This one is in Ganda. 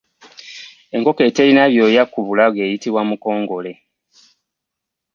Enkoko eterina byoya ku bulago eyitibwa mukongole.